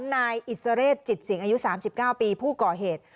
นายอิสเรศจิตสิงอายุ๓๙ปีผู้ก่อเหตุ